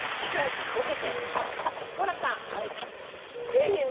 愛媛